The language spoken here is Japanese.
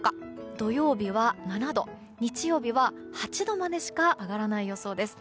土曜日は７度日曜日は８度までしか上がらない予想です。